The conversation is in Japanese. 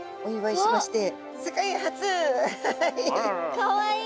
かわいい！